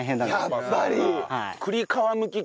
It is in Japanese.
やっぱり！